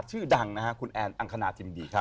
ชื่อดังนะฮะคุณแอนอังคณาจิมดีครับ